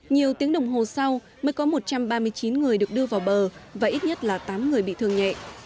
nhiều tiếng đồng hồ sau mới có một trăm ba mươi chín người được đưa vào bờ và ít nhất là tám người bị thương nhẹ